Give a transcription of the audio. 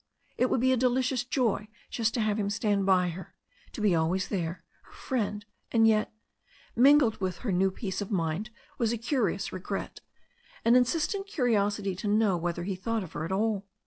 It would be a delicious joy just to have him stand by her, to be always there, her friend, and yet mingled with her new peace of mind was a curious regret, an insistent curiosity to know whether he thought of her at all.